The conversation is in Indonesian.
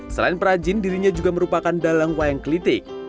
selain perajin dirinya juga merupakan dalang wayang klitik